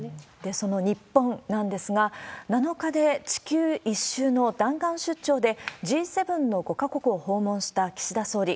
その日本なんですが、７日で地球１周の弾丸出張で、Ｇ７の５か国を訪問した岸田総理。